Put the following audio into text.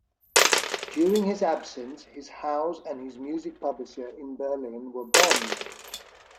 During his absence, his house and his music publisher in Berlin were bombed.